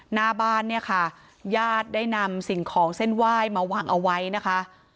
หน้าบ้านเนี่ยค่ะญาติได้นำสิ่งของเส้นไหว้มาวางเอาไว้นะคะ